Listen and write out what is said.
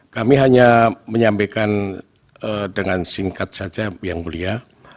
kami hanya menyampaikan dengan singkat saja yang mulia